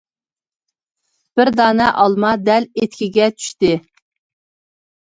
بىر دانە ئالما دەل ئېتىكىگە چۈشتى.